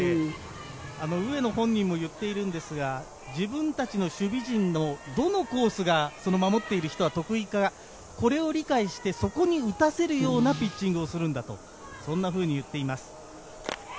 上野も言っていましたが自分たちの守備陣のどのコースが守っているのが得意か、これを理解してそこに打たせるようなピッチングをするんだと言っています。